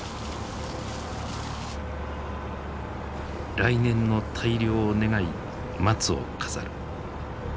来年の大漁を願い松を飾る。